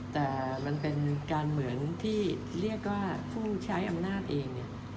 แต่มันเป็นการเหมือนที่เรียกว่าผู้ใช้อำนาจเองเนี่ย